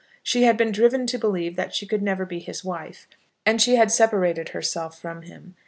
She had been driven to believe that she could never be his wife, and she had separated herself from him.